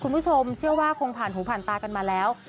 คุณผู้ชมเชื่อว่าคงผ่านหูผ่านตากันมาแล้ว